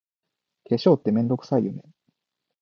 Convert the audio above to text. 化粧って、めんどくさいよね。